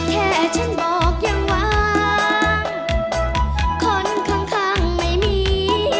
แค่ฉันบอกยังวางคนข้างไม่มี